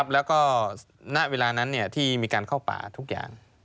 แล้วก็ณเวลานั้นที่มีการเข้าป่าทุกอย่าง